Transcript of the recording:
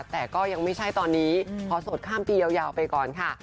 แต่ก็ยังไม่ใช่ตอนนี้พอโสดข้ามปียาวไปก่อนค่ะ